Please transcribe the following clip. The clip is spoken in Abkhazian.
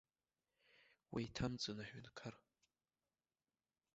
Уеиҭамҵын, аҳәынҭқар!